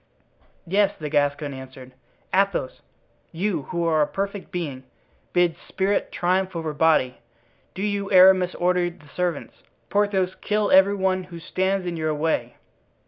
"Yes," the Gascon answered; "Athos! you, who are a perfect being, bid spirit triumph over body. Do you, Aramis, order the servants. Porthos, kill every one who stands in your way."